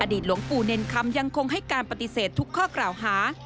หลวงปู่เนรคำยังคงให้การปฏิเสธทุกข้อกล่าวหา